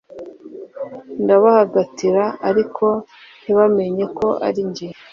ndabahagatira ariko ntibamenye ko ari jye